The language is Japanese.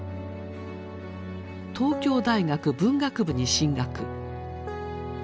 東京大学文学部に進学。